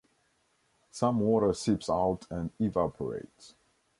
Some water seeps out and evaporates.